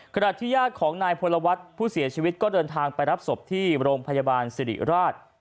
ขณะที่ญาติของนายพลวัฒน์ผู้เสียชีวิตก็เดินทางไปรับศพที่โรงพยาบาลสิริราช